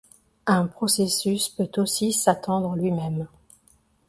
Un processus peut aussi s'attendre lui-même.